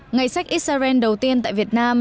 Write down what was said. ngày sách israel đầu tiên tại việt nam